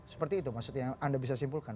seperti itu maksudnya yang anda bisa simpulkan